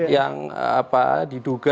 yang apa diduga